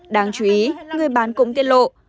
đáng chú ý người bán cũng tiết lộ